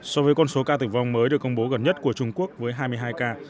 so với con số ca tử vong mới được công bố gần nhất của trung quốc với hai mươi hai ca